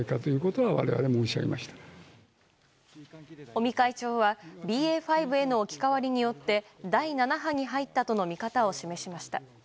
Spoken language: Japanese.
尾身会長はＢＡ．５への置き換わりによって第７波に入ったとの見方を示しました。